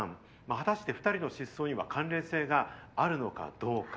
果たして２人の失踪には関連性があるのかどうか。